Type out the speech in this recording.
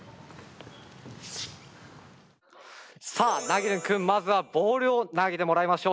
さあナゲルン君まずはボールを投げてもらいましょう。